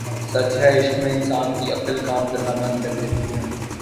سچ ہے عشق میں انسان کی عقل کام کرنا بند کر دیتی ہے